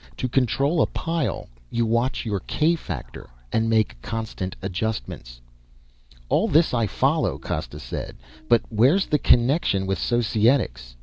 To control a pile you watch your k factor and make constant adjustments." "All this I follow," Costa said, "but where's the connection with Societics?"